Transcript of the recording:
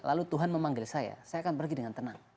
lalu tuhan memanggil saya saya akan pergi dengan tenang